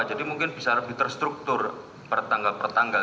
jadi mungkin bisa lebih terstruktur per tanggal pertanggal